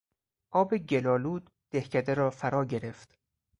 آب گلآلود دهکده را فرا گرفت.